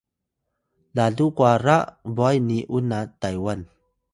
lalu kwara bway ni’un na Taywan?